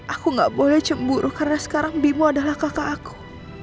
aku gak boleh cemburu karena sekarang bimo adalah kakak aku